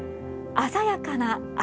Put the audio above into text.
鮮やかな赤。